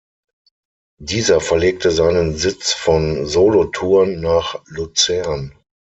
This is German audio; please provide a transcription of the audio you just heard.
Dieser verlegte seinen Sitz von Solothurn nach Luzern.